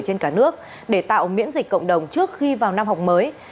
trên cả nước để tạo miễn dịch cộng đồng trước khi vào năm học mới